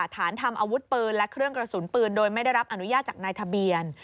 ฐานทำอาวุธปืนและเครื่องกระสุนปืนโดยไม่ได้รับอนุญาตจากนายทะเบียน